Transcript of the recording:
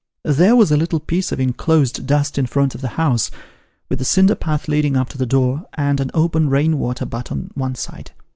There was a little piece of enclosed dust in front of the house, with a cinder path leading up to the door, and an open rain water butt on one side.